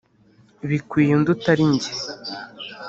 bikwiye undi utari ge”